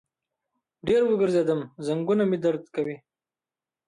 ډېر وګرځیدم، زنګنونه مې درد کوي